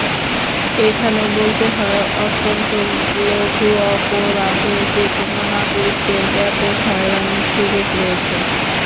এখানেও বলতে হয়, অত্যন্ত লঘু অপরাধে যেকোনো নাগরিকের ব্যাপক হয়রানির সুযোগ রয়েছে।